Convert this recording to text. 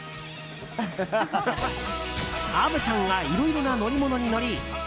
虻ちゃんがいろいろな乗り物に乗り